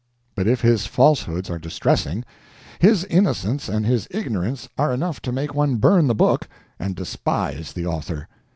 But if his falsehoods are distressing, his innocence and his ignorance are enough to make one burn the book and despise the author.